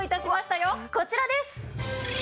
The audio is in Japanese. こちらです！